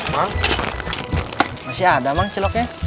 masih ada mak ciloknya